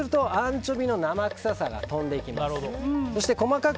こうすると、アンチョビの生臭さが飛んでいきます。